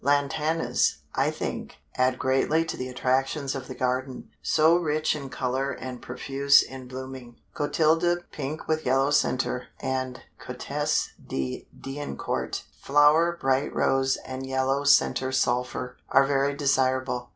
Lantanas, I think, add greatly to the attractions of the garden, so rich in color and profuse in blooming. Clotilda, pink with yellow center, and Comtesse de Diencourt, flower bright rose and yellow center sulphur, are very desirable.